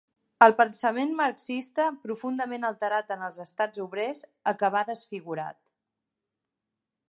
El pensament marxista, profundament alterat en els estats obrers, acabà desfigurat.